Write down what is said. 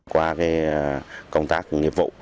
qua công tác nghiệp vụ